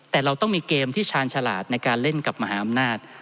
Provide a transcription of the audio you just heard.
แต่เราต้องมีเกมที่ชาญฉลาดในการเล่นกับมหาอำนาจ